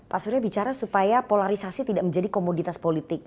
pak surya bicara supaya polarisasi tidak menjadi komoditas politik